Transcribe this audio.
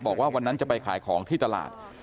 บอกว่าวันนั้นจะไปขายของที่ตลาด